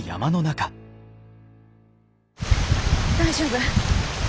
大丈夫。